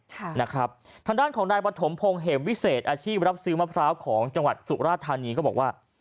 ทางด้านของนายปฐมพงศ์เหมวิเศษอาชีพรับซื้อมะพร้าวของจังหวัดสุราธานีก็บอกว่า